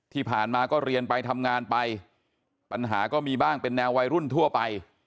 ที่ผ่านมาก็เรียนไปทำงานไปปัญหาก็มีบ้างเป็นแนววัยรุ่นทั่วไป